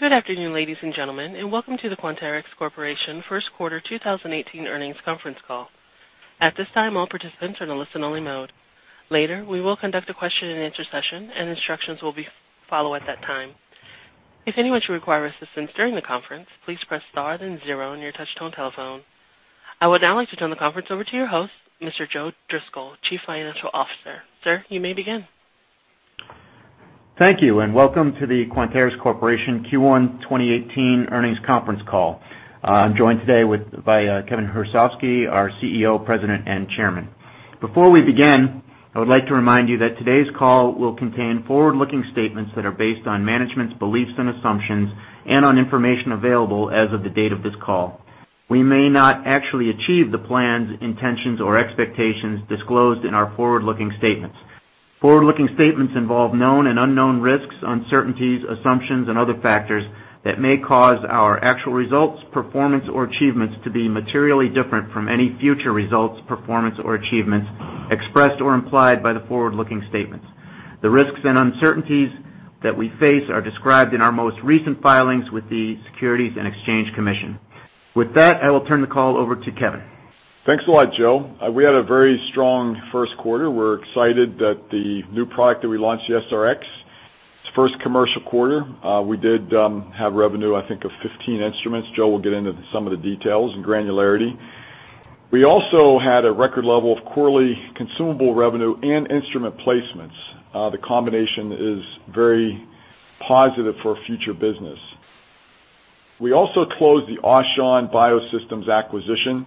Good afternoon, ladies and gentlemen, and welcome to the Quanterix Corporation first quarter 2018 earnings conference call. At this time, all participants are in listen only mode. Later, we will conduct a question and answer session and instructions will follow at that time. If anyone should require assistance during the conference, please press star then zero on your touchtone telephone. I would now like to turn the conference over to your host, Mr. Joseph Driscoll, Chief Financial Officer. Sir, you may begin. Thank you, and welcome to the Quanterix Corporation Q1 2018 earnings conference call. I'm joined today by Kevin Hrusovsky, our CEO, President, and Chairman. Before we begin, I would like to remind you that today's call will contain forward-looking statements that are based on management's beliefs and assumptions and on information available as of the date of this call. We may not actually achieve the plans, intentions, or expectations disclosed in our forward-looking statements. Forward-looking statements involve known and unknown risks, uncertainties, assumptions, and other factors that may cause our actual results, performance, or achievements to be materially different from any future results, performance, or achievements expressed or implied by the forward-looking statements. The risks and uncertainties that we face are described in our most recent filings with the Securities and Exchange Commission. With that, I will turn the call over to Kevin. Thanks a lot, Joe. We had a very strong first quarter. We're excited that the new product that we launched, the SR-X, its first commercial quarter. We did have revenue, I think, of 15 instruments. Joe will get into some of the details and granularity. We also had a record level of quarterly consumable revenue and instrument placements. The combination is very positive for future business. We also closed the Aushon BioSystems acquisition,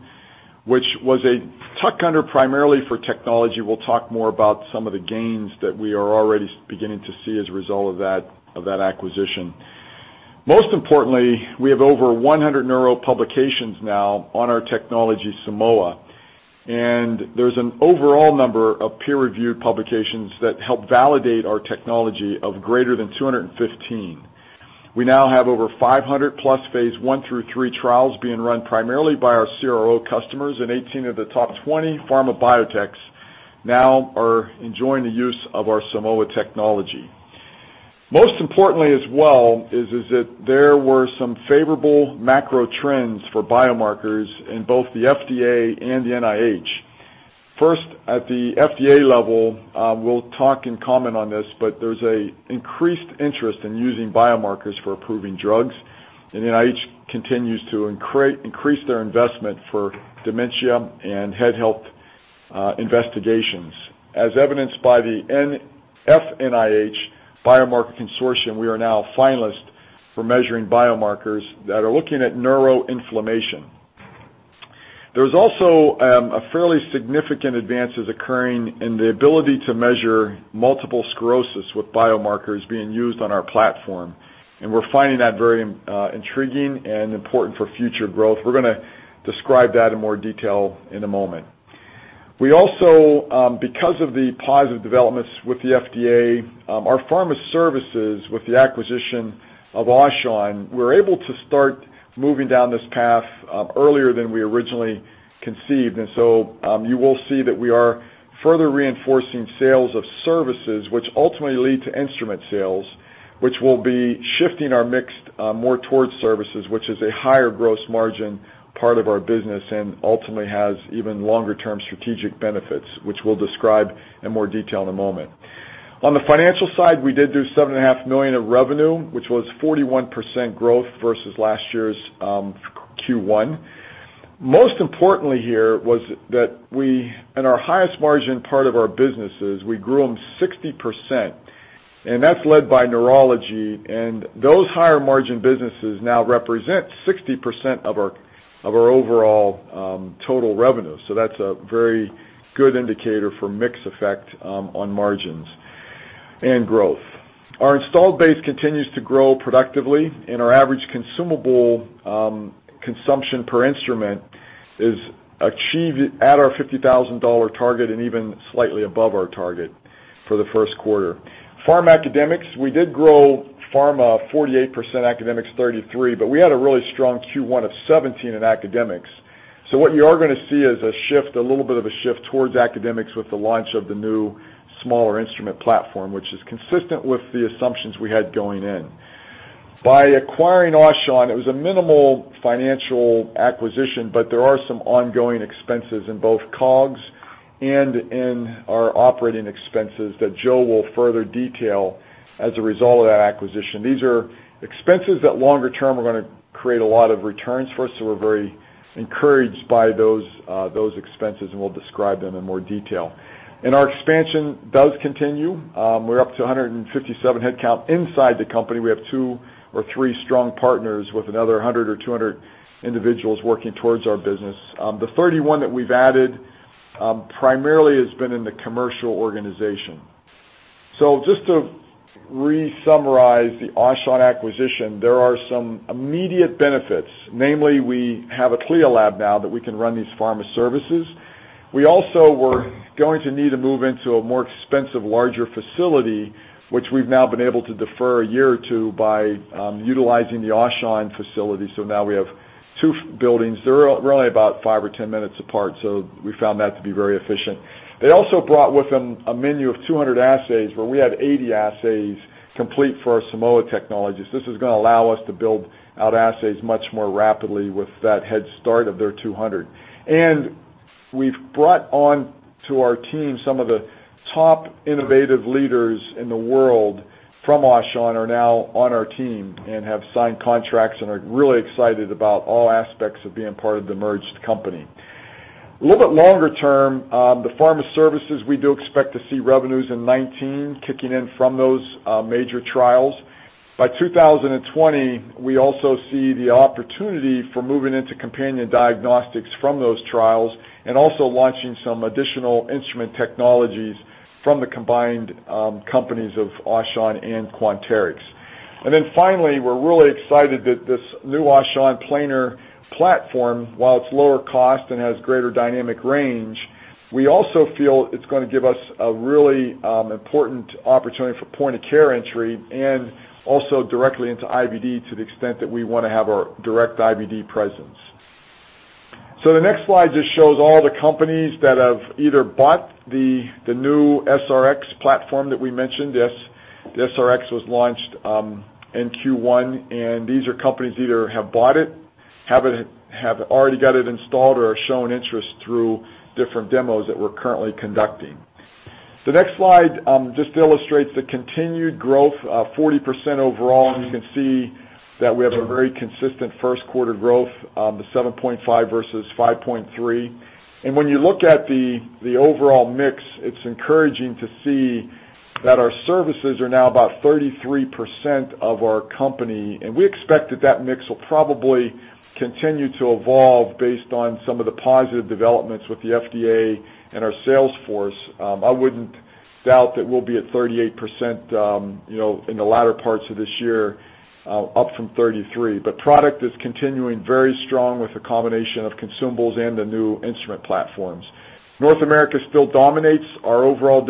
which was a tuck-under primarily for technology. We'll talk more about some of the gains that we are already beginning to see as a result of that acquisition. Most importantly, we have over 100 neuro publications now on our technology, Simoa, and there's an overall number of peer-reviewed publications that help validate our technology of greater than 215. We now have over 500+ phase I through III trials being run primarily by our CRO customers, and 18 of the top 20 pharma biotechs now are enjoying the use of our Simoa technology. Most importantly as well, is that there were some favorable macro trends for biomarkers in both the FDA and the NIH. First, at the FDA level, we'll talk and comment on this, but there's an increased interest in using biomarkers for approving drugs. The NIH continues to increase their investment for dementia and head health investigations. As evidenced by the FNIH Biomarkers Consortium, we are now a finalist for measuring biomarkers that are looking at neuroinflammation. There's also a fairly significant advances occurring in the ability to measure multiple sclerosis with biomarkers being used on our platform, and we're finding that very intriguing and important for future growth. We're going to describe that in more detail in a moment. We also, because of the positive developments with the FDA, our pharma services with the acquisition of Aushon, we're able to start moving down this path earlier than we originally conceived. You will see that we are further reinforcing sales of services, which ultimately lead to instrument sales, which will be shifting our mix more towards services, which is a higher gross margin part of our business and ultimately has even longer term strategic benefits, which we'll describe in more detail in a moment. On the financial side, we did do $7.5 million of revenue, which was 41% growth versus last year's Q1. Most importantly here was that we, in our highest margin part of our businesses, we grew them 60%. That's led by neurology, and those higher margin businesses now represent 60% of our overall total revenue. That's a very good indicator for mix effect on margins and growth. Our installed base continues to grow productively and our average consumable consumption per instrument is achieved at our $50,000 target and even slightly above our target for the first quarter. Pharma academics, we did grow pharma 48%, academics 33%. We had a really strong Q1 of 17 in academics. What you are going to see is a little bit of a shift towards academics with the launch of the new smaller instrument platform, which is consistent with the assumptions we had going in. By acquiring Aushon, it was a minimal financial acquisition. There are some ongoing expenses in both COGS and in our operating expenses that Joe will further detail as a result of that acquisition. These are expenses that longer term are going to create a lot of returns for us. We're very encouraged by those expenses. We'll describe them in more detail. Our expansion does continue. We're up to 157 headcount inside the company. We have two or three strong partners with another 100 or 200 individuals working towards our business. The 31 that we've added primarily has been in the commercial organization. Just to re-summarize the Aushon acquisition, there are some immediate benefits. Namely, we have a CLIA lab now that we can run these pharma services We also were going to need to move into a more expensive, larger facility, which we've now been able to defer a year or two by utilizing the Aushon facility. Now we have two buildings. They're really about five or 10 minutes apart, so we found that to be very efficient. They also brought with them a menu of 200 assays where we had 80 assays complete for our Simoa technology. This is going to allow us to build out assays much more rapidly with that head start of their 200. We've brought onto our team some of the top innovative leaders in the world from Aushon are now on our team and have signed contracts and are really excited about all aspects of being part of the merged company. A little bit longer-term, the pharma services, we do expect to see revenues in 2019 kicking in from those major trials. By 2020, we also see the opportunity for moving into companion diagnostics from those trials and also launching some additional instrument technologies from the combined companies of Aushon and Quanterix. Finally, we're really excited that this new Aushon planar platform, while it's lower cost and has greater dynamic range, we also feel it's going to give us a really important opportunity for point of care entry and also directly into IVD to the extent that we want to have our direct IVD presence. The next slide just shows all the companies that have either bought the new SR-X platform that we mentioned. The SR-X was launched in Q1. These are companies that either have bought it, have already got it installed, or have shown interest through different demos that we're currently conducting. The next slide just illustrates the continued growth, 40% overall. You can see that we have a very consistent first quarter growth, the 7.5% versus 5.3%. When you look at the overall mix, it's encouraging to see that our services are now about 33% of our company, and we expect that mix will probably continue to evolve based on some of the positive developments with the FDA and our sales force. I wouldn't doubt that we'll be at 38% in the latter parts of this year, up from 33%. Product is continuing very strong with the combination of consumables and the new instrument platforms. North America still dominates our overall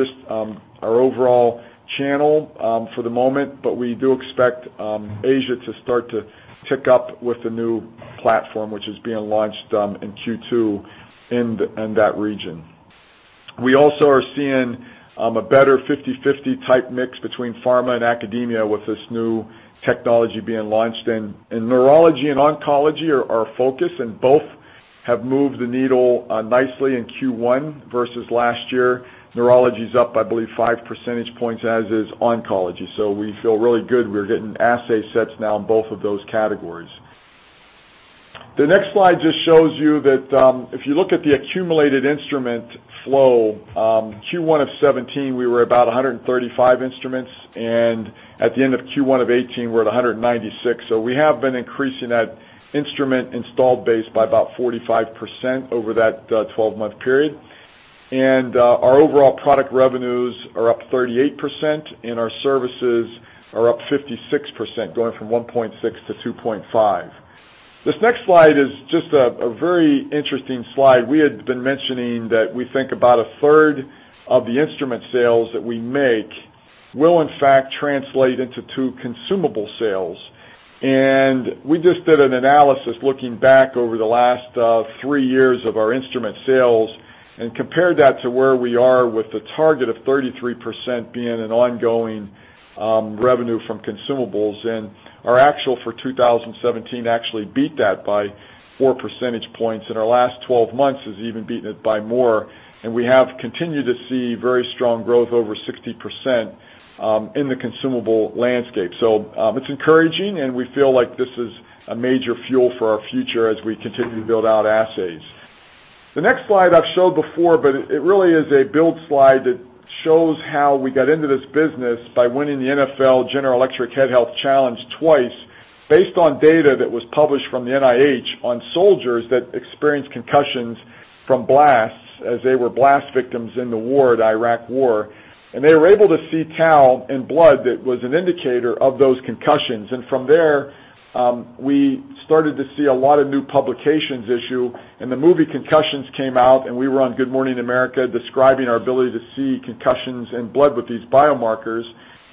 channel for the moment. We do expect Asia to start to tick up with the new platform, which is being launched in Q2 in that region. We also are seeing a better 50/50 type mix between pharma and academia with this new technology being launched. Neurology and oncology are our focus, and both have moved the needle nicely in Q1 versus last year. Neurology is up, I believe, five percentage points, as is oncology. We feel really good. We're getting assay sets now in both of those categories. The next slide just shows you that if you look at the accumulated instrument flow, Q1 of 2017, we were about 135 instruments, and at the end of Q1 of 2018, we're at 196. We have been increasing that instrument installed base by about 45% over that 12-month period. Our overall product revenues are up 38%. Our services are up 56%, going from $1.6 to $2.5. This next slide is just a very interesting slide. We had been mentioning that we think about a third of the instrument sales that we make will in fact translate into two consumable sales. We just did an analysis looking back over the last three years of our instrument sales and compared that to where we are with the target of 33% being an ongoing revenue from consumables. Our actual for 2017 actually beat that by four percentage points, and our last 12 months has even beaten it by more. We have continued to see very strong growth over 60% in the consumable landscape. It's encouraging, and we feel like this is a major fuel for our future as we continue to build out assays. The next slide I've showed before, but it really is a build slide that shows how we got into this business by winning the NFL General Electric Head Health Challenge twice based on data that was published from the NIH on soldiers that experienced concussions from blasts as they were blast victims in the Iraq War. They were able to see tau in blood that was an indicator of those concussions. From there, we started to see a lot of new publications issue, and the movie "Concussion" came out, and we were on "Good Morning America" describing our ability to see concussions in blood with these biomarkers.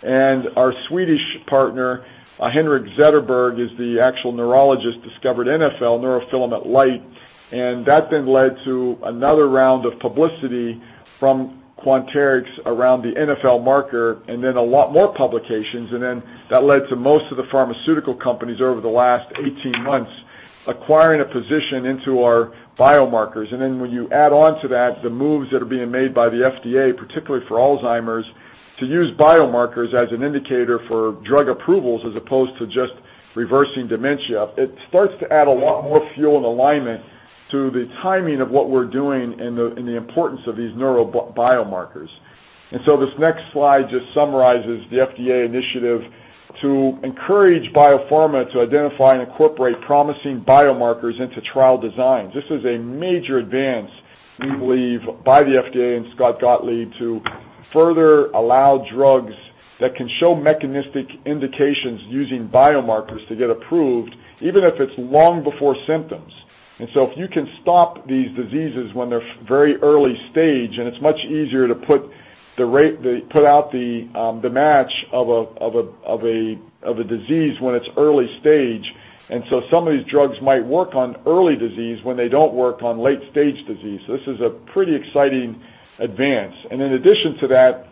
Our Swedish partner, Henrik Zetterberg, is the actual neurologist, discovered NfL, neurofilament light, and that then led to another round of publicity from Quanterix around the NfL marker, and then a lot more publications. That led to most of the pharmaceutical companies over the last 18 months acquiring a position into our biomarkers. When you add on to that the moves that are being made by the FDA, particularly for Alzheimer's, to use biomarkers as an indicator for drug approvals as opposed to just reversing dementia, it starts to add a lot more fuel and alignment to the timing of what we're doing and the importance of these neuro biomarkers. This next slide just summarizes the FDA initiative to encourage biopharma to identify and incorporate promising biomarkers into trial designs. This is a major advance, we believe, by the FDA and Scott Gottlieb to further allow drugs that can show mechanistic indications using biomarkers to get approved, even if it's long before symptoms. If you can stop these diseases when they're very early stage, and it's much easier to put out the match of a disease when it's early stage. Some of these drugs might work on early disease when they don't work on late-stage disease. This is a pretty exciting advance. In addition to that,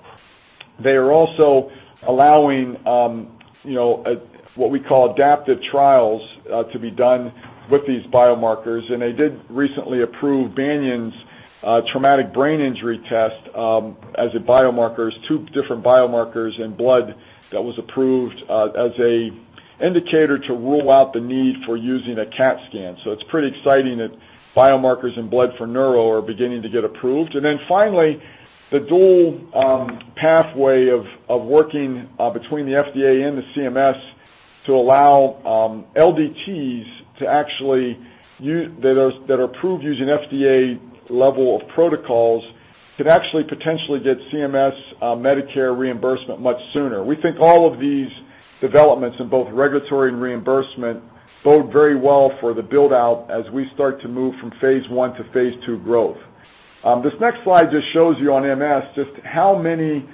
they are also allowing what we call adaptive trials to be done with these biomarkers. They did recently approve Banyan's traumatic brain injury test as biomarkers, two different biomarkers in blood that was approved as an indicator to rule out the need for using a CT scan. It's pretty exciting that biomarkers in blood for neuro are beginning to get approved. Finally, the dual pathway of working between the FDA and the CMS to allow LDTs that are approved using FDA level of protocols, can actually potentially get CMS Medicare reimbursement much sooner. We think all of these developments in both regulatory and reimbursement bode very well for the build-out as we start to move from phase I to phase II growth. This next slide just shows you on MS just how many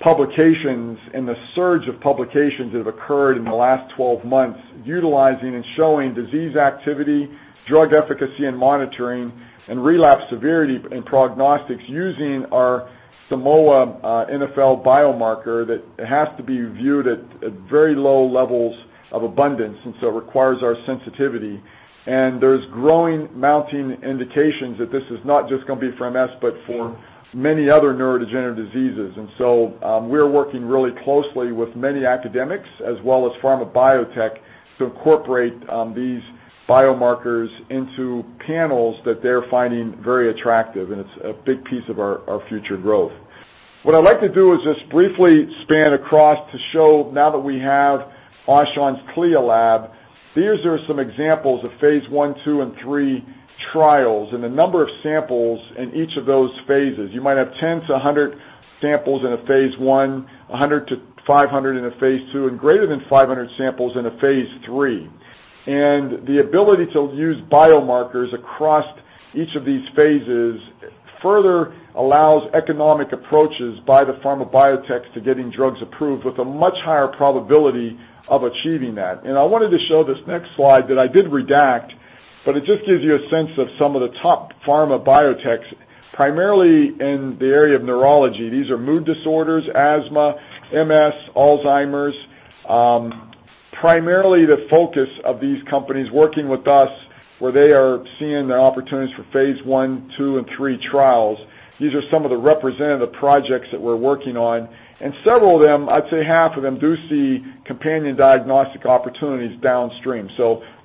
publications and the surge of publications that have occurred in the last 12 months utilizing and showing disease activity, drug efficacy and monitoring, and relapse severity and prognostics using our Simoa NfL biomarker that has to be viewed at very low levels of abundance. It requires our sensitivity. There's growing, mounting indications that this is not just going to be for MS, but for many other neurodegenerative diseases. We're working really closely with many academics as well as pharma biotech to incorporate these biomarkers into panels that they're finding very attractive. It's a big piece of our future growth. What I'd like to do is just briefly span across to show now that we have Aushon's CLIA lab. These are some examples of phase I, II, and III trials and the number of samples in each of those phases. You might have 10 to 100 samples in a phase I, 100 to 500 in a phase II, and greater than 500 samples in a phase III. The ability to use biomarkers across each of these phases further allows economic approaches by the pharma biotechs to getting drugs approved with a much higher probability of achieving that. I wanted to show this next slide that I did redact, but it just gives you a sense of some of the top pharma biotechs, primarily in the area of neurology. These are mood disorders, asthma, MS, Alzheimer's. Primarily the focus of these companies working with us, where they are seeing the opportunities for phase I, II, and III trials. These are some of the representative projects that we're working on, and several of them, I'd say half of them, do see companion diagnostic opportunities downstream.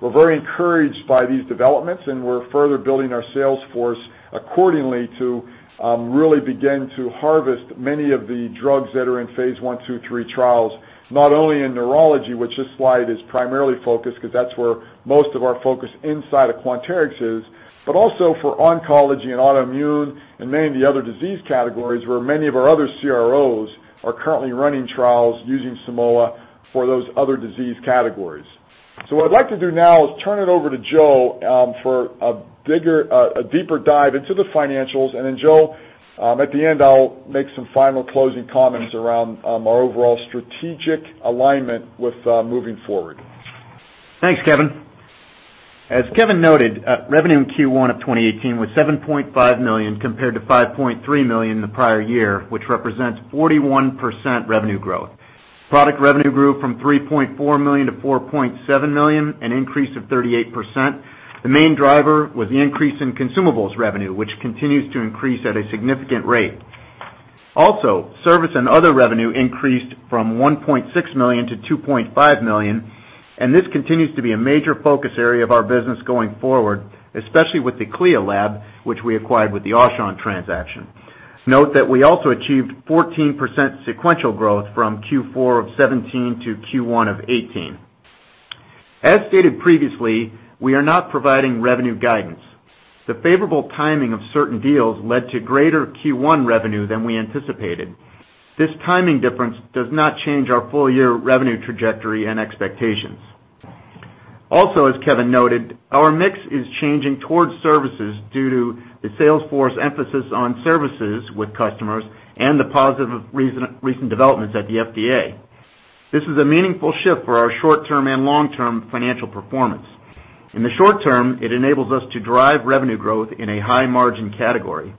We're very encouraged by these developments, and we're further building our sales force accordingly to really begin to harvest many of the drugs that are in phase I, II, III trials, not only in neurology, which this slide is primarily focused, because that's where most of our focus inside of Quanterix is, but also for oncology and autoimmune and many of the other disease categories where many of our other CROs are currently running trials using Simoa for those other disease categories. What I'd like to do now is turn it over to Joe for a deeper dive into the financials. Joe, at the end, I'll make some final closing comments around our overall strategic alignment with moving forward. Thanks, Kevin. As Kevin noted, revenue in Q1 of 2018 was $7.5 million compared to $5.3 million in the prior year, which represents 41% revenue growth. Product revenue grew from $3.4 million to $4.7 million, an increase of 38%. The main driver was the increase in consumables revenue, which continues to increase at a significant rate. Also, service and other revenue increased from $1.6 million to $2.5 million, and this continues to be a major focus area of our business going forward, especially with the CLIA lab, which we acquired with the Aushon transaction. Note that we also achieved 14% sequential growth from Q4 of 2017 to Q1 of 2018. As stated previously, we are not providing revenue guidance. The favorable timing of certain deals led to greater Q1 revenue than we anticipated. This timing difference does not change our full-year revenue trajectory and expectations. Also, as Kevin noted, our mix is changing towards services due to the sales force emphasis on services with customers and the positive recent developments at the FDA. This is a meaningful shift for our short-term and long-term financial performance. In the short term, it enables us to drive revenue growth in a high-margin category.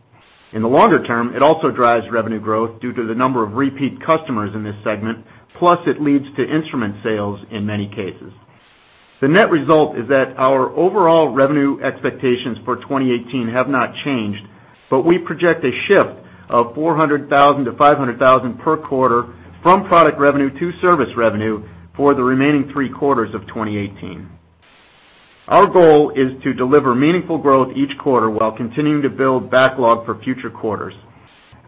In the longer term, it also drives revenue growth due to the number of repeat customers in this segment, plus it leads to instrument sales in many cases. The net result is that our overall revenue expectations for 2018 have not changed, but we project a shift of $400,000-$500,000 per quarter from product revenue to service revenue for the remaining 3 quarters of 2018. Our goal is to deliver meaningful growth each quarter while continuing to build backlog for future quarters.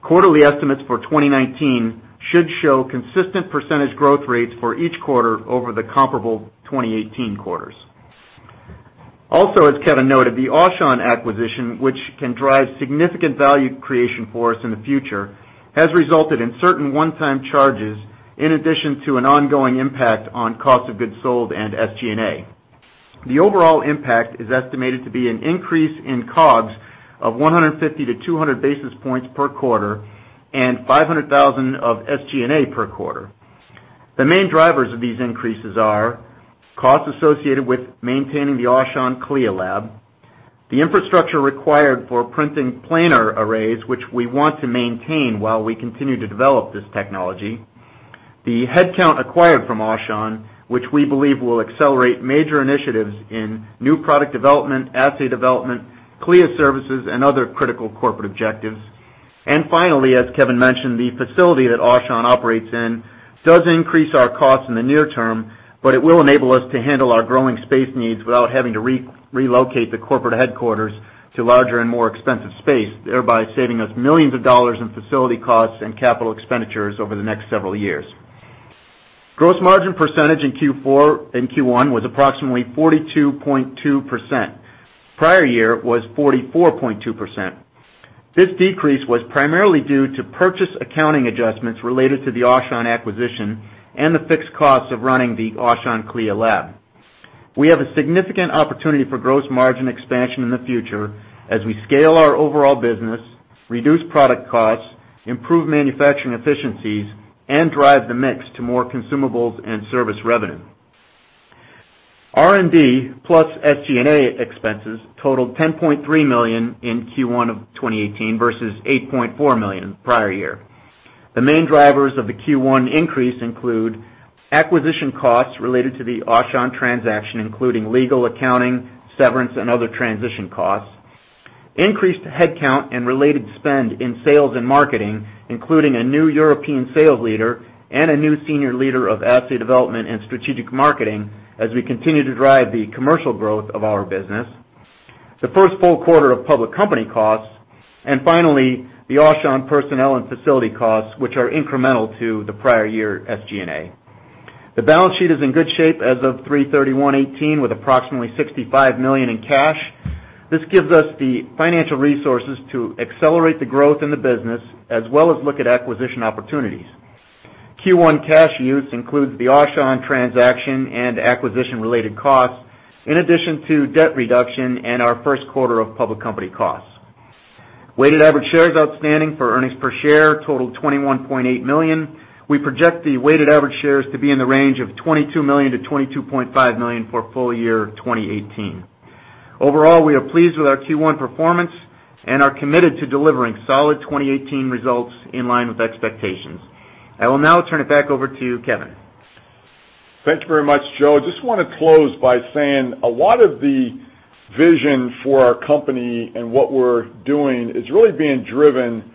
Quarterly estimates for 2019 should show consistent % growth rates for each quarter over the comparable 2018 quarters. Also, as Kevin noted, the Aushon acquisition, which can drive significant value creation for us in the future, has resulted in certain one-time charges in addition to an ongoing impact on cost of goods sold and SG&A. The overall impact is estimated to be an increase in COGS of 150-200 basis points per quarter and $500,000 of SG&A per quarter. The main drivers of these increases are costs associated with maintaining the Aushon CLIA lab, the infrastructure required for printing planar arrays, which we want to maintain while we continue to develop this technology, the headcount acquired from Aushon, which we believe will accelerate major initiatives in new product development, assay development, CLIA services, and other critical corporate objectives. Finally, as Kevin mentioned, the facility that Aushon operates in does increase our costs in the near term, but it will enable us to handle our growing space needs without having to relocate the corporate headquarters to larger and more expensive space, thereby saving us millions of dollars in facility costs and capital expenditures over the next several years. Gross margin % in Q1 was approximately 42.2%. Prior year was 44.2%. This decrease was primarily due to purchase accounting adjustments related to the Aushon acquisition and the fixed costs of running the Aushon CLIA lab. We have a significant opportunity for gross margin expansion in the future as we scale our overall business, reduce product costs, improve manufacturing efficiencies, and drive the mix to more consumables and service revenue. R&D plus SG&A expenses totaled $10.3 million in Q1 of 2018 versus $8.4 million prior year. The main drivers of the Q1 increase include acquisition costs related to the Aushon transaction, including legal, accounting, severance, and other transition costs, increased headcount and related spend in sales and marketing, including a new European sales leader and a new senior leader of assay development and strategic marketing as we continue to drive the commercial growth of our business, the first full quarter of public company costs, and finally, the Aushon personnel and facility costs, which are incremental to the prior year SG&A. The balance sheet is in good shape as of 3/31/18 with approximately $65 million in cash. This gives us the financial resources to accelerate the growth in the business, as well as look at acquisition opportunities. Q1 cash use includes the Aushon transaction and acquisition-related costs, in addition to debt reduction and our first quarter of public company costs. Weighted average shares outstanding for earnings per share totaled 21.8 million. We project the weighted average shares to be in the range of 22 million-22.5 million for full year 2018. Overall, we are pleased with our Q1 performance and are committed to delivering solid 2018 results in line with expectations. I will now turn it back over to you, Kevin. Thank you very much, Joe. I just want to close by saying a lot of the vision for our company and what we're doing is really being driven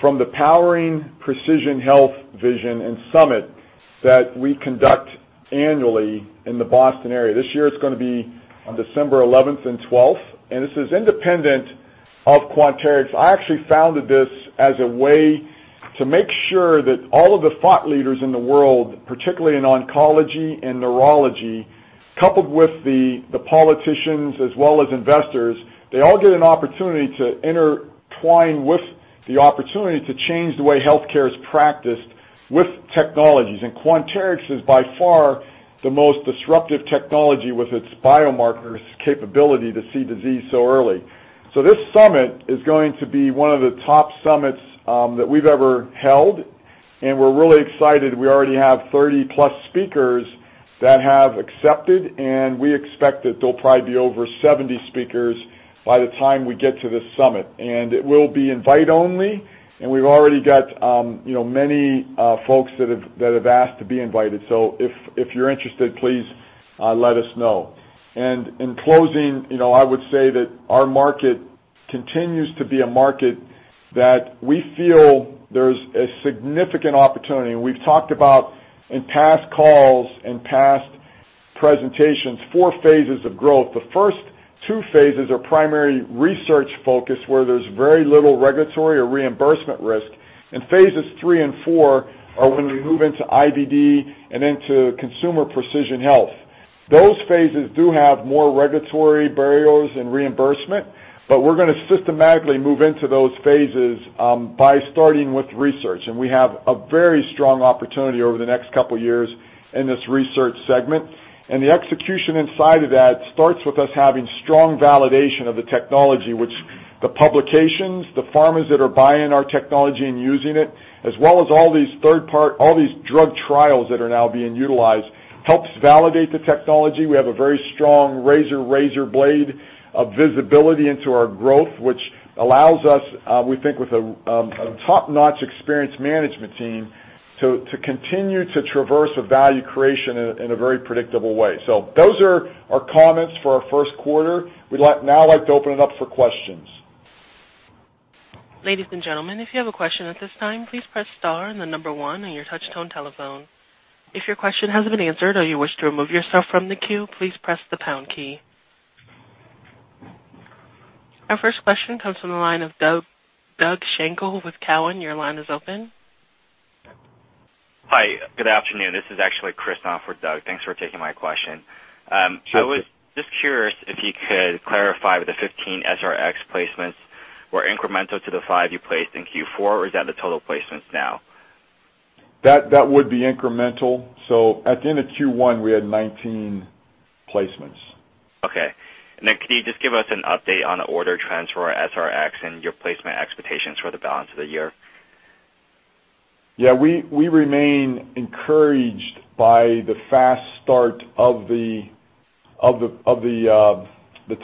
from the Powering Precision Health vision and summit that we conduct annually in the Boston area. This year, it's going to be on December 11th and 12th, and this is independent of Quanterix. I actually founded this as a way to make sure that all of the thought leaders in the world, particularly in oncology and neurology, coupled with the politicians as well as investors, they all get an opportunity to intertwine with the opportunity to change the way healthcare is practiced with technologies. Quanterix is by far the most disruptive technology with its biomarkers capability to see disease so early. This summit is going to be one of the top summits that we've ever held, and we're really excited. We already have 30-plus speakers that have accepted, and we expect that there'll probably be over 70 speakers by the time we get to this summit. It will be invite only, and we've already got many folks that have asked to be invited. If you're interested, please let us know. In closing, I would say that our market continues to be a market that we feel there's a significant opportunity. We've talked about, in past calls and past presentations, four phases of growth. The first two phases are primary research focus, where there's very little regulatory or reimbursement risk, and phases 3 and 4 are when we move into IVD and into consumer precision health. Those phases do have more regulatory barriers and reimbursement, but we're going to systematically move into those phases by starting with research, and we have a very strong opportunity over the next couple of years in this research segment. The execution inside of that starts with us having strong validation of the technology, which the publications, the pharmas that are buying our technology and using it, as well as all these drug trials that are now being utilized, helps validate the technology. We have a very strong razor blade of visibility into our growth, which allows us, we think with a top-notch experienced management team, to continue to traverse a value creation in a very predictable way. Those are our comments for our first quarter. We'd now like to open it up for questions. Ladies and gentlemen, if you have a question at this time, please press star and the number 1 on your touch-tone telephone. If your question has been answered or you wish to remove yourself from the queue, please press the pound key. Our first question comes from the line of Doug Schenkel with Cowen. Your line is open. Hi, good afternoon. This is actually Chris on for Doug. Thanks for taking my question. Sure. I was just curious if you could clarify whether the 15 SR-X placements were incremental to the five you placed in Q4, or is that the total placements now? That would be incremental. At the end of Q1, we had 19 placements. Okay. Could you just give us an update on order transfer SR-X and your placement expectations for the balance of the year? Yeah. We remain encouraged by the fast start of the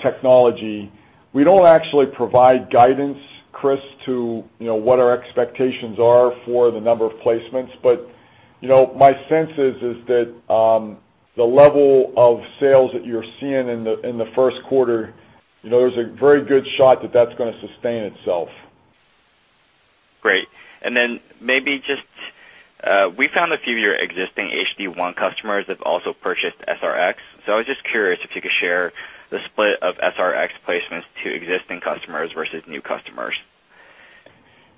technology. We don't actually provide guidance, Chris, to what our expectations are for the number of placements. My sense is that the level of sales that you're seeing in the first quarter, there's a very good shot that that's going to sustain itself. Great. Maybe just, we found a few of your existing HD-1 customers have also purchased SR-X. I was just curious if you could share the split of SR-X placements to existing customers versus new customers.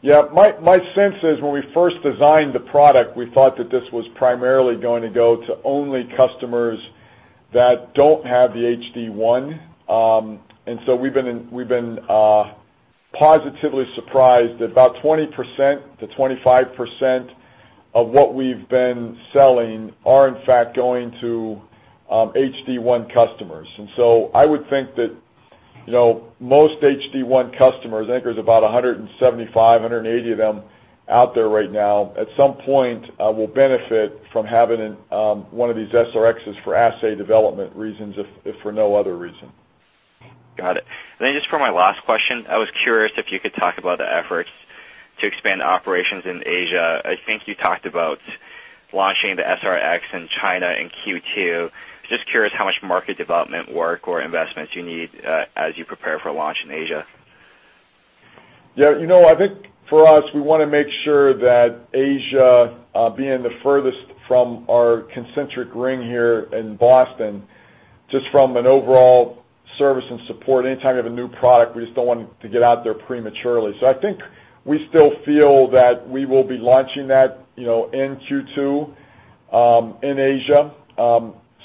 Yeah. My sense is when we first designed the product, we thought that this was primarily going to go to only customers that don't have the HD-1. We've been positively surprised that about 20%-25% of what we've been selling are in fact going to HD-1 customers. I would think that most HD-1 customers, I think there's about 175-180 of them out there right now, at some point will benefit from having one of these SR-Xs for assay development reasons, if for no other reason. Got it. Just for my last question, I was curious if you could talk about the efforts to expand operations in Asia. I think you talked about launching the SR-X in China in Q2. Just curious how much market development work or investments you need as you prepare for launch in Asia. I think for us, we want to make sure that Asia being the furthest from our concentric ring here in Boston, just from an overall service and support, anytime you have a new product, we just don't want to get out there prematurely. I think we still feel that we will be launching that in Q2 in Asia.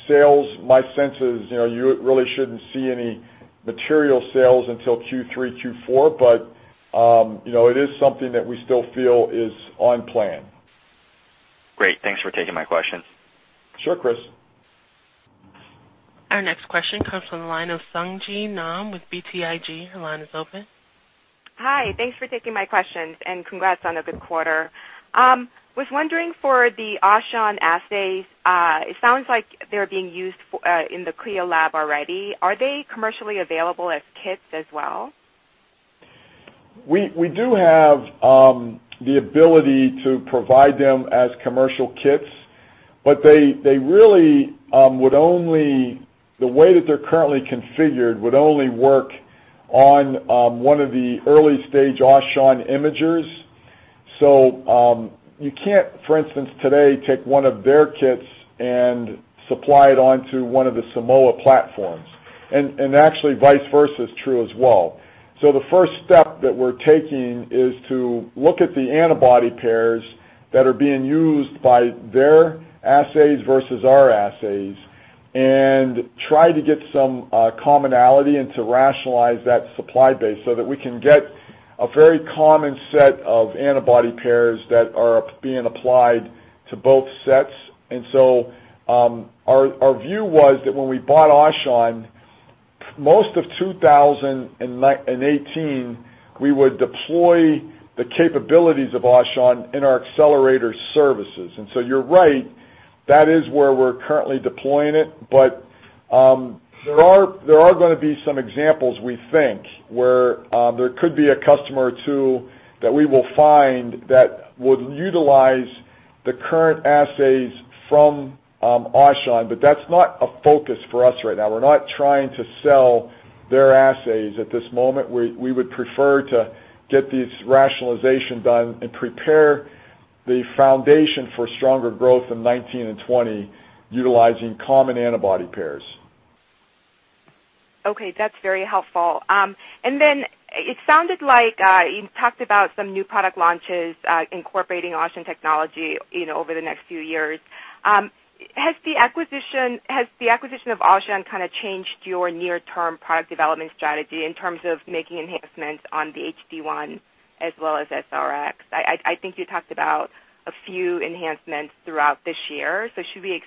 Sales, my sense is, you really shouldn't see any material sales until Q3, Q4, it is something that we still feel is on plan. Great. Thanks for taking my questions. Sure, Chris. Our next question comes from the line of Sung Ji Nam with BTIG. Your line is open. Hi. Thanks for taking my questions, and congrats on a good quarter. Was wondering for the Aushon assays, it sounds like they're being used in the CLIA lab already. Are they commercially available as kits as well? We do have the ability to provide them as commercial kits, but the way that they're currently configured would only work on one of the early stage Aushon imagers. You can't, for instance, today take one of their kits and supply it onto one of the Simoa platforms. Actually, vice versa is true as well. The first step that we're taking is to look at the antibody pairs that are being used by their assays versus our assays, and try to get some commonality and to rationalize that supply base so that we can get a very common set of antibody pairs that are being applied to both sets. Our view was that when we bought Aushon, most of 2018, we would deploy the capabilities of Aushon in our accelerator services. You're right, that is where we're currently deploying it. There are going to be some examples, we think, where there could be a customer or two that we will find that would utilize the current assays from Aushon, but that's not a focus for us right now. We're not trying to sell their assays at this moment. We would prefer to get these rationalization done and prepare the foundation for stronger growth in 2019 and 2020 utilizing common antibody pairs. Okay. That's very helpful. It sounded like you talked about some new product launches incorporating Aushon technology over the next few years. Has the acquisition of Aushon kind of changed your near term product development strategy in terms of making enhancements on the HD-1 as well as SR-X? I think you talked about a few enhancements throughout this year, should we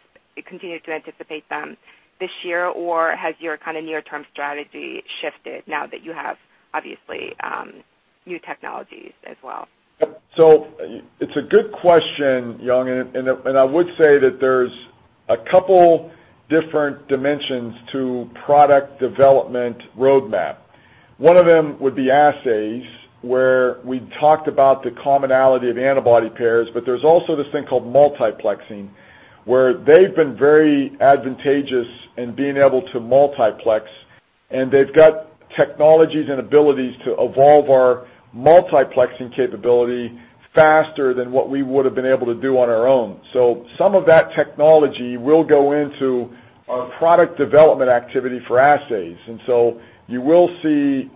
continue to anticipate them this year, or has your kind of near term strategy shifted now that you have obviously new technologies as well? It's a good question, Sung Ji, and I would say that there's a couple different dimensions to product development roadmap. One of them would be assays, where we talked about the commonality of antibody pairs, there's also this thing called multiplexing, where they've been very advantageous in being able to multiplex, and they've got technologies and abilities to evolve our multiplexing capability faster than what we would've been able to do on our own. Some of that technology will go into our product development activity for assays. You will see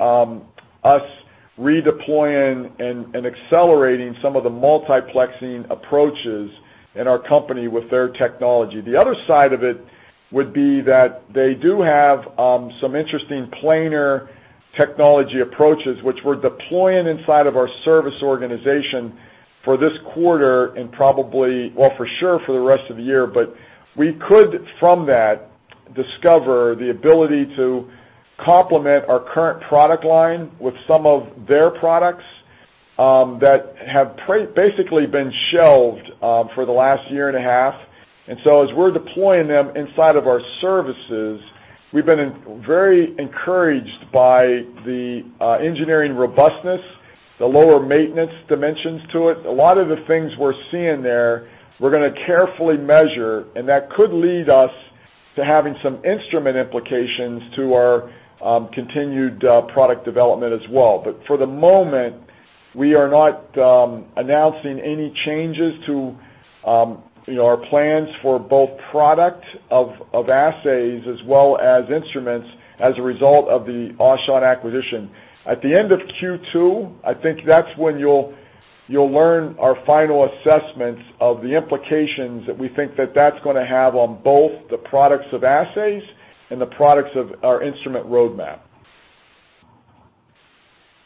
us redeploying and accelerating some of the multiplexing approaches in our company with their technology. The other side of it would be that they do have some interesting planar technology approaches, which we're deploying inside of our service organization for this quarter and for sure for the rest of the year, we could, from that, discover the ability to complement our current product line with some of their products that have basically been shelved for the last year and a half. As we're deploying them inside of our services, we've been very encouraged by the engineering robustness, the lower maintenance dimensions to it. A lot of the things we're seeing there, we're going to carefully measure, and that could lead us to having some instrument implications to our continued product development as well. For the moment, we are not announcing any changes to our plans for both product of assays as well as instruments as a result of the Aushon acquisition. At the end of Q2, I think that's when you'll learn our final assessments of the implications that we think that that's going to have on both the products of assays and the products of our instrument roadmap.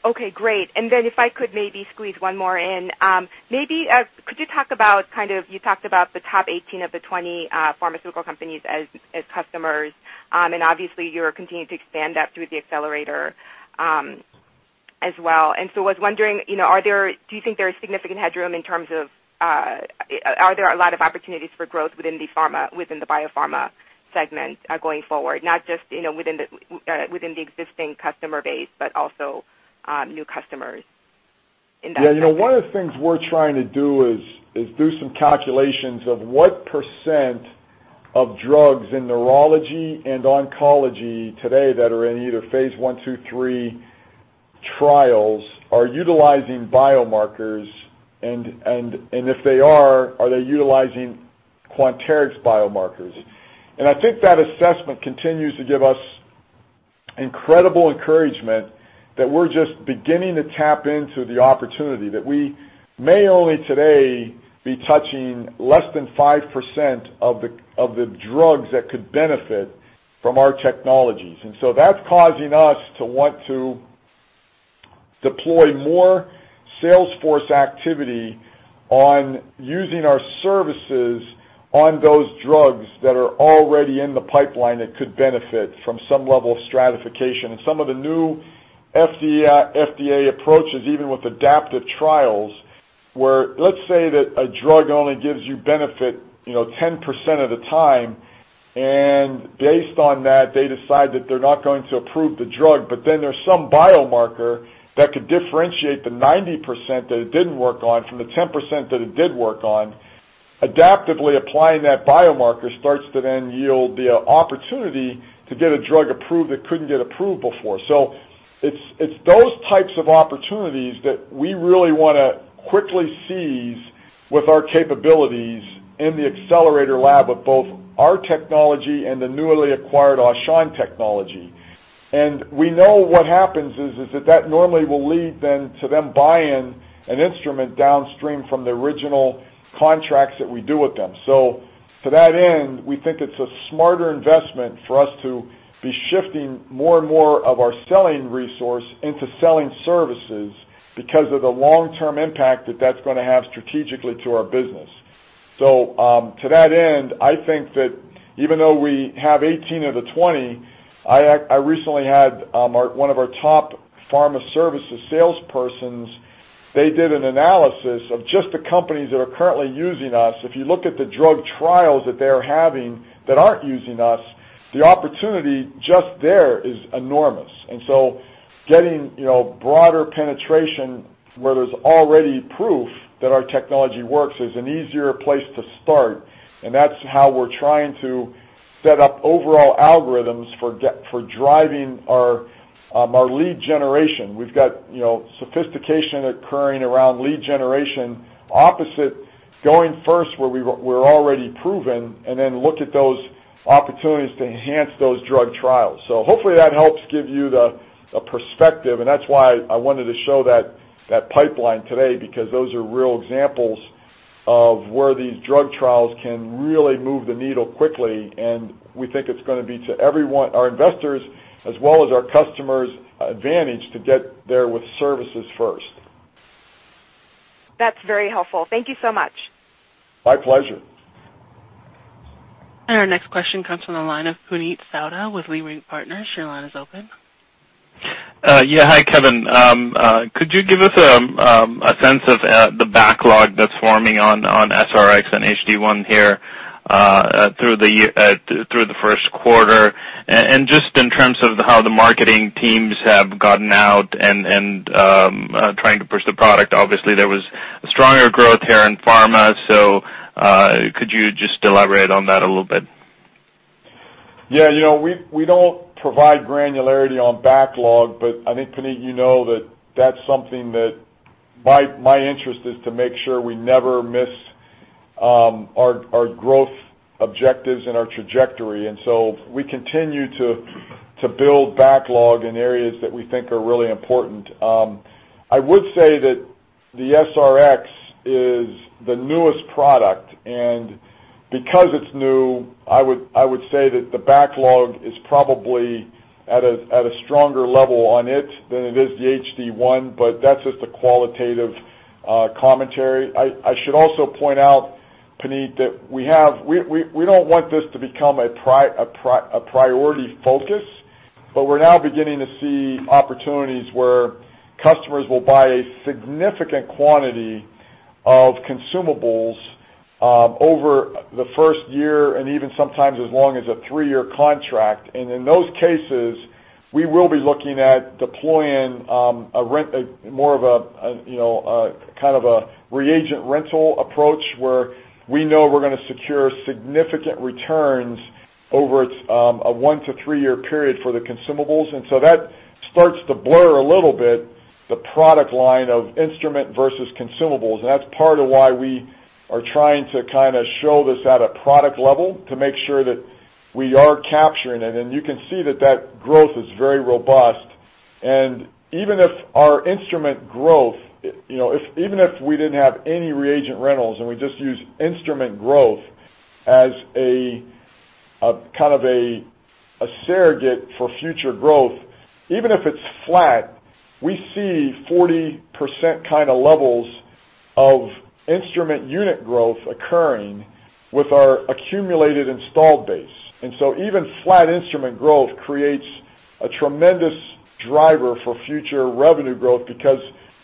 Okay, great. If I could maybe squeeze one more in. Maybe, could you talk about, you talked about the top 18 of the 20 pharmaceutical companies as customers, obviously you're continuing to expand that through the accelerator as well. I was wondering, do you think there is significant headroom in terms of are there a lot of opportunities for growth within the biopharma segment going forward? Not just within the existing customer base, but also new customers in that segment. Yeah. One of the things we're trying to do is do some calculations of what percent of drugs in neurology and oncology today that are in either phase I, II, III trials are utilizing biomarkers, if they are they utilizing Quanterix biomarkers? That assessment continues to give us incredible encouragement that we're just beginning to tap into the opportunity that we may only today be touching less than 5% of the drugs that could benefit from our technologies. That's causing us to want to deploy more sales force activity on using our services on those drugs that are already in the pipeline that could benefit from some level of stratification. Some of the new FDA approaches, even with adaptive trials, where let's say that a drug only gives you benefit 10% of the time, based on that, they decide that they're not going to approve the drug, there's some biomarker that could differentiate the 90% that it didn't work on from the 10% that it did work on, adaptively applying that biomarker starts to then yield the opportunity to get a drug approved that couldn't get approved before. It's those types of opportunities that we really want to quickly seize with our capabilities in the accelerator lab with both our technology and the newly acquired Aushon technology. We know what happens is that that normally will lead then to them buying an instrument downstream from the original contracts that we do with them. To that end, we think it's a smarter investment for us to be shifting more and more of our selling resource into selling services because of the long-term impact that that's going to have strategically to our business. To that end, I think that even though we have 18 of the 20, I recently had one of our top pharma services salespersons, they did an analysis of just the companies that are currently using us. If you look at the drug trials that they're having that aren't using us, the opportunity just there is enormous. Getting broader penetration where there's already proof that our technology works is an easier place to start, that's how we're trying to set up overall algorithms for driving our lead generation. We've got sophistication occurring around lead generation opposite going first where we're already proven, then look at those opportunities to enhance those drug trials. Hopefully that helps give you the perspective, that's why I wanted to show that pipeline today, because those are real examples of where these drug trials can really move the needle quickly, we think it's going to be to our investors as well as our customers advantage to get there with services first. That's very helpful. Thank you so much. My pleasure. Our next question comes from the line of Puneet Souda with Leerink Partners. Your line is open. Yeah. Hi, Kevin. Could you give us a sense of the backlog that's forming on SR-X and HD-1 here through the first quarter? Just in terms of how the marketing teams have gotten out and trying to push the product. Obviously, there was a stronger growth here in pharma, could you just elaborate on that a little bit? Yeah. We don't provide granularity on backlog, I think, Puneet, you know that that's something that my interest is to make sure we never miss our growth objectives and our trajectory. We continue to build backlog in areas that we think are really important. I would say that the SR-X is the newest product, because it's new, I would say that the backlog is probably at a stronger level on it than it is the HD-1, that's just a qualitative commentary. I should also point out, Puneet, that we don't want this to become a priority focus, we're now beginning to see opportunities where customers will buy a significant quantity of consumables over the first year and even sometimes as long as a three-year contract. In those cases, we will be looking at deploying more of a kind of a reagent rental approach where we know we're going to secure significant returns over a one to three-year period for the consumables. That starts to blur a little bit the product line of instrument versus consumables. That's part of why we are trying to kind of show this at a product level to make sure that we are capturing it. You can see that that growth is very robust. Even if our instrument growth, even if we didn't have any reagent rentals and we just used instrument growth as a kind of a surrogate for future growth, even if it's flat, we see 40% kind of levels of instrument unit growth occurring with our accumulated installed base. Even flat instrument growth creates a tremendous driver for future revenue growth because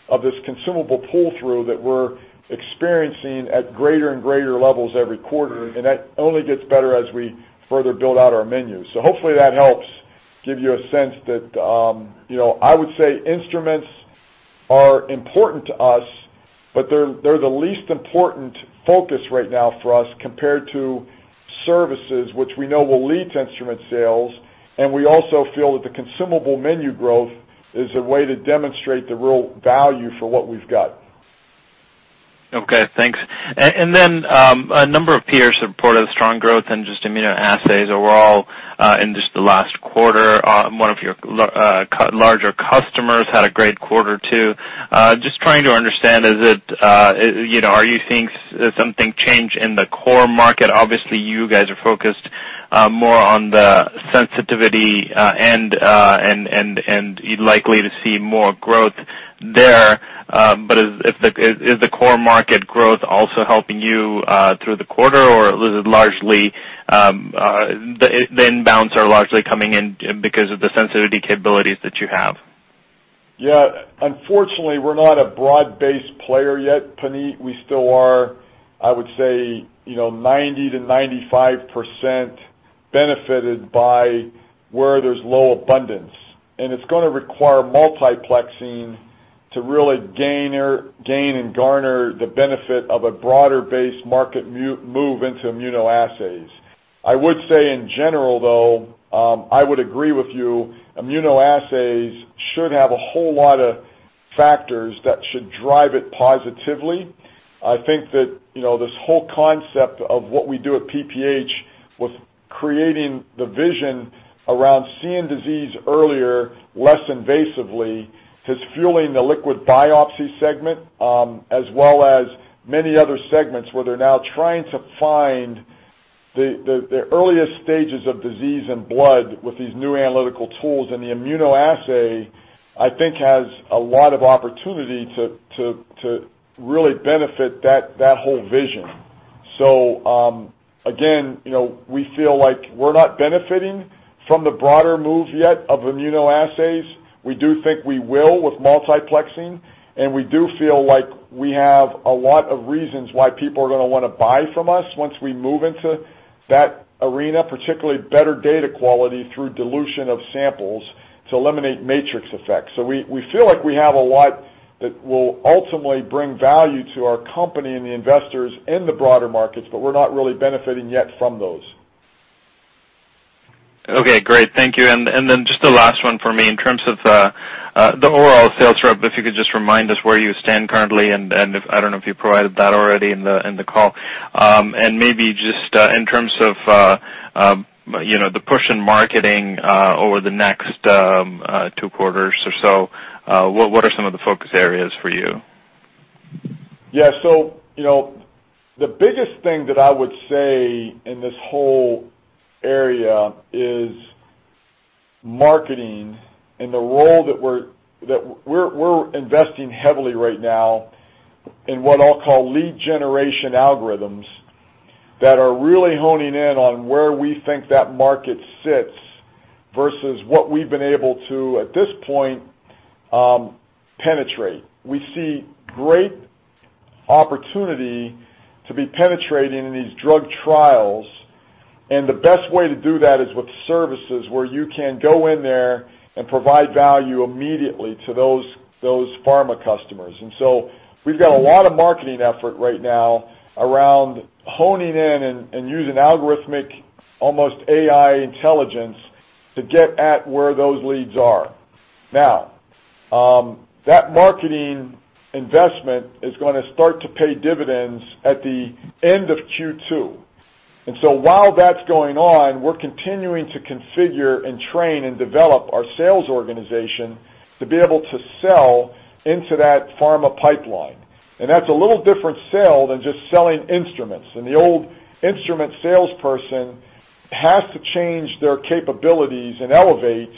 of this consumable pull-through that we're experiencing at greater and greater levels every quarter. That only gets better as we further build out our menu. Hopefully that helps give you a sense that, I would say instruments are important to us, they're the least important focus right now for us compared to services which we know will lead to instrument sales. We also feel that the consumable menu growth is a way to demonstrate the real value for what we've got. Okay, thanks. A number of peers have reported strong growth in just immunoassays overall, in just the last quarter. One of your larger customers had a great quarter, too. Just trying to understand, are you seeing something change in the core market? Obviously, you guys are focused more on the sensitivity and likely to see more growth there. Is the core market growth also helping you through the quarter? The inbounds are largely coming in because of the sensitivity capabilities that you have? Yeah. Unfortunately, we're not a broad-based player yet, Puneet. We still are, I would say, 90%-95% benefited by where there's low abundance. It's going to require multiplexing to really gain and garner the benefit of a broader base market move into immunoassays. I would say in general, though, I would agree with you, immunoassays should have a whole lot of factors that should drive it positively. I think that this whole concept of what we do at PPH with creating the vision around seeing disease earlier, less invasively, is fueling the liquid biopsy segment, as well as many other segments where they're now trying to find the earliest stages of disease in blood with these new analytical tools. The immunoassay, I think, has a lot of opportunity to really benefit that whole vision. Again, we feel like we're not benefiting from the broader move yet of immunoassays. We do think we will with multiplexing, we do feel like we have a lot of reasons why people are going to want to buy from us once we move into that arena, particularly better data quality through dilution of samples to eliminate matrix effects. We feel like we have a lot that will ultimately bring value to our company and the investors in the broader markets, we're not really benefiting yet from those. Okay, great. Thank you. Just the last one for me. In terms of the overall sales rep, if you could just remind us where you stand currently, I don't know if you provided that already in the call. Maybe just in terms of the push in marketing over the next two quarters or so, what are some of the focus areas for you? Yeah. The biggest thing that I would say in this whole area is marketing and the role that we're investing heavily right now in what I'll call lead generation algorithms that are really honing in on where we think that market sits versus what we've been able to, at this point, penetrate. We see great opportunity to be penetrating in these drug trials, and the best way to do that is with services where you can go in there and provide value immediately to those pharma customers. We've got a lot of marketing effort right now around honing in and using algorithmic, almost AI intelligence to get at where those leads are. That marketing investment is going to start to pay dividends at the end of Q2. While that's going on, we're continuing to configure and train and develop our sales organization to be able to sell into that pharma pipeline. That's a little different sell than just selling instruments. The old instrument salesperson has to change their capabilities and elevate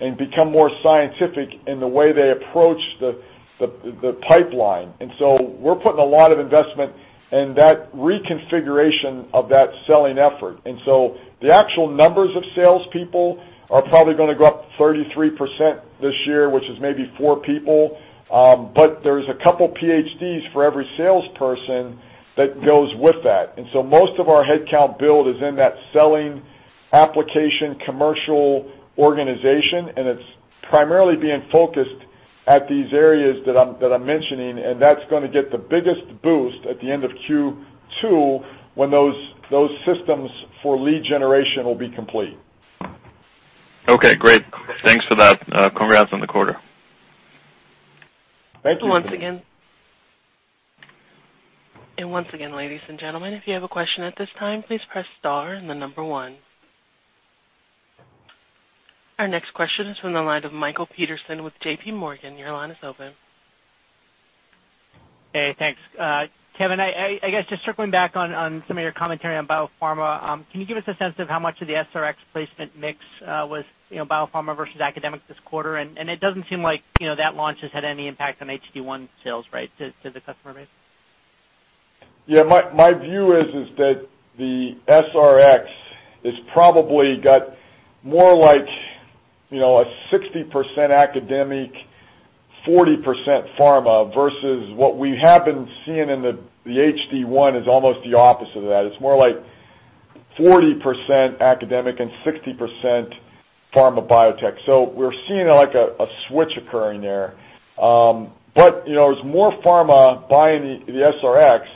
and become more scientific in the way they approach the pipeline. We're putting a lot of investment in that reconfiguration of that selling effort. The actual numbers of salespeople are probably going to go up 33% this year, which is maybe four people. There's a couple of PhDs for every salesperson that goes with that. Most of our headcount build is in that selling application commercial organization, and it's primarily being focused at these areas that I'm mentioning, and that's going to get the biggest boost at the end of Q2 when those systems for lead generation will be complete. Okay, great. Thanks for that. Congrats on the quarter. Thank you. Once again, ladies and gentlemen, if you have a question at this time, please press star and the number 1. Our next question is from the line of Bill Peterson with JPMorgan. Your line is open. Hey, thanks. Kevin, I guess just circling back on some of your commentary on biopharma, can you give us a sense of how much of the SR-X placement mix was biopharma versus academic this quarter? It doesn't seem like that launch has had any impact on HD-1 sales, to the customer base. Yeah, my view is that the SR-X is probably got more like a 60% academic, 40% pharma, versus what we have been seeing in the HD-1 is almost the opposite of that. It's more like 40% academic and 60% pharma biotech. We're seeing a switch occurring there. There's more pharma buying the SR-X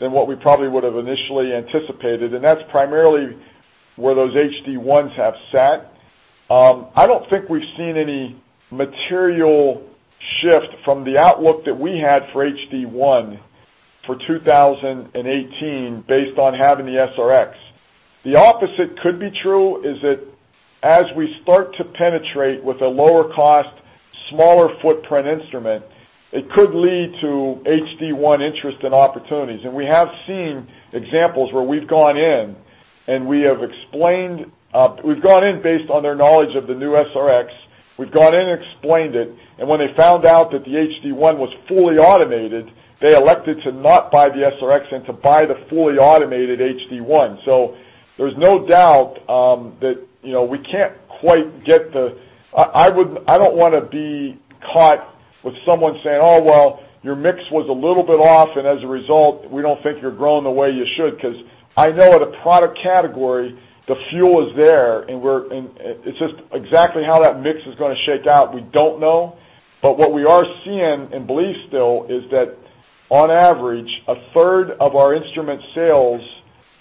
than what we probably would have initially anticipated, and that's primarily where those HD-1s have sat. I don't think we've seen any material shift from the outlook that we had for HD-1 for 2018 based on having the SR-X. The opposite could be true, is that as we start to penetrate with a lower-cost, smaller footprint instrument, it could lead to HD-1 interest and opportunities. We have seen examples where we've gone in and we have gone in based on their knowledge of the new SR-X. We've gone in and explained it, when they found out that the HD-1 was fully automated, they elected to not buy the SR-X and to buy the fully automated HD-1. There's no doubt that we can't quite get the I don't want to be caught with someone saying, "Oh, well, your mix was a little bit off, and as a result, we don't think you're growing the way you should," because I know at a product category, the fuel is there, it's just exactly how that mix is going to shake out, we don't know. What we are seeing and believe still is that on average, a third of our instrument sales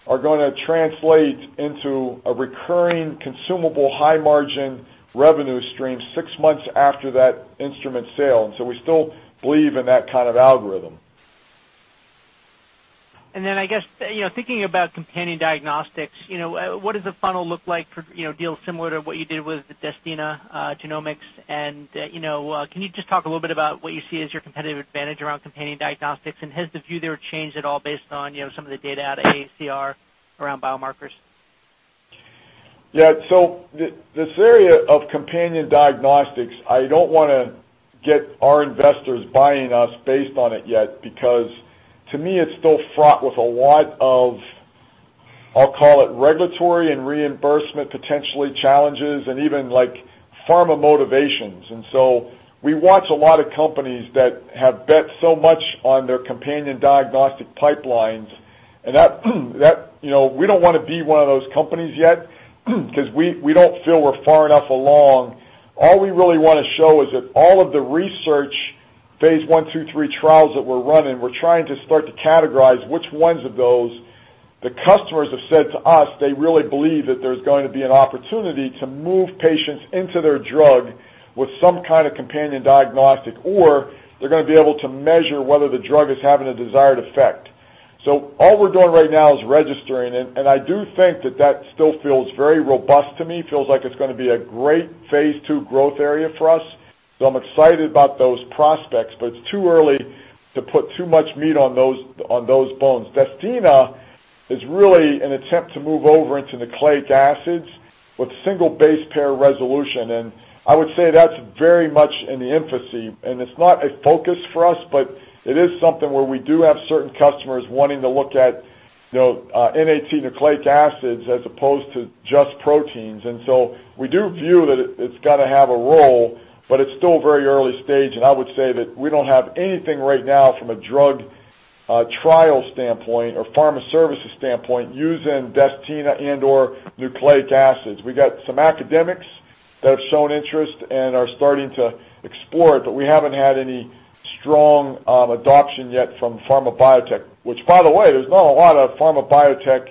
are going to translate into a recurring consumable high margin revenue stream six months after that instrument sale. We still believe in that kind of algorithm. I guess, thinking about companion diagnostics, what does the funnel look like for deals similar to what you did with the DestiNA Genomics? Can you just talk a little bit about what you see as your competitive advantage around companion diagnostics? Has the view there changed at all based on some of the data out of AACR around biomarkers? Yeah. This area of companion diagnostics, I don't want to get our investors buying us based on it yet, because to me, it's still fraught with a lot of, I'll call it regulatory and reimbursement, potentially challenges and even like pharma motivations. We watch a lot of companies that have bet so much on their companion diagnostic pipelines, and we don't want to be one of those companies yet because we don't feel we're far enough along. All we really want to show is that all of the research phase I, II, III trials that we're running, we're trying to start to categorize which ones of those the customers have said to us they really believe that there's going to be an opportunity to move patients into their drug with some kind of companion diagnostic. They're going to be able to measure whether the drug is having a desired effect. All we're doing right now is registering it, and I do think that that still feels very robust to me. It feels like it's going to be a great phase II growth area for us. I'm excited about those prospects, but it's too early to put too much meat on those bones. DestiNA is really an attempt to move over into nucleic acids with single base pair resolution, and I would say that's very much in the infancy. It's not a focus for us, but it is something where we do have certain customers wanting to look at NAT nucleic acids as opposed to just proteins. We do view that it's got to have a role, but it's still very early stage, and I would say that we don't have anything right now from a drug trial standpoint or pharma services standpoint using DestiNA and/or nucleic acids. We got some academics that have shown interest and are starting to explore it, but we haven't had any strong adoption yet from pharma biotech. Which, by the way, there's not a lot of pharma biotech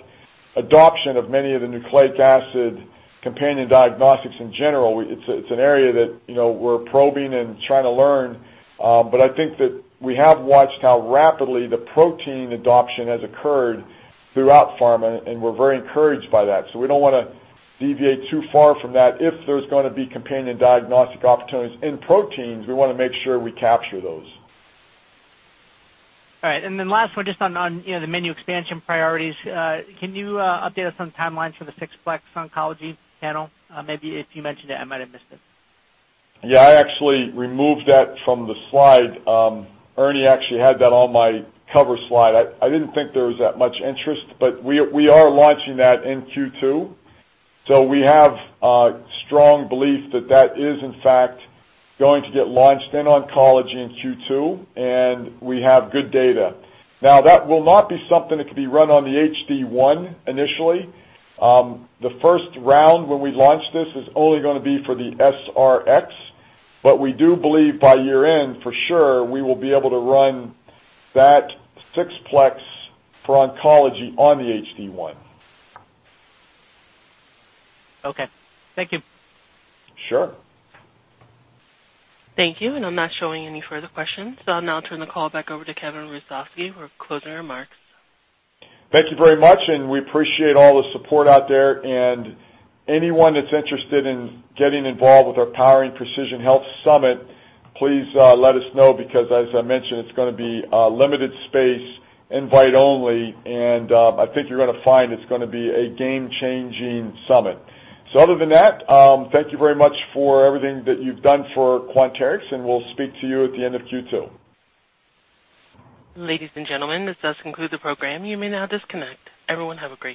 adoption of many of the nucleic acid companion diagnostics in general. It's an area that we're probing and trying to learn. I think that we have watched how rapidly the protein adoption has occurred throughout pharma, and we're very encouraged by that. We don't want to deviate too far from that. If there's going to be companion diagnostic opportunities in proteins, we want to make sure we capture those. All right. Last one, just on the menu expansion priorities. Can you update us on timelines for the 6-plex oncology panel? Maybe if you mentioned it, I might have missed it. Yeah, I actually removed that from the slide. Ernie actually had that on my cover slide. I didn't think there was that much interest, but we are launching that in Q2. We have a strong belief that that is, in fact, going to get launched in oncology in Q2, and we have good data. Now, that will not be something that could be run on the HD-1 initially. The first round when we launch this is only going to be for the SR-X, but we do believe by year-end, for sure, we will be able to run that 6-plex for oncology on the HD-1. Okay. Thank you. Sure. Thank you. I'm not showing any further questions, I'll now turn the call back over to Kevin Hrusovsky for closing remarks. Thank you very much, we appreciate all the support out there. Anyone that's interested in getting involved with our Powering Precision Health Summit, please let us know because as I mentioned, it's going to be a limited space invite only, I think you're going to find it's going to be a game-changing summit. Other than that, thank you very much for everything that you've done for Quanterix, we'll speak to you at the end of Q2. Ladies and gentlemen, this does conclude the program. You may now disconnect. Everyone have a great day.